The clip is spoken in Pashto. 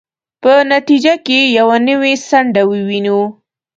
په نتیجه کې یوه نوې څنډه ووینو.